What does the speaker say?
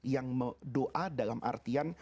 yang doa dalam artian